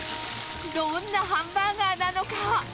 どんなハンバーガーなのか。